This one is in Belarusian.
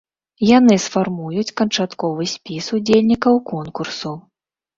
Яны сфармуюць канчатковы спіс удзельнікаў конкурсу.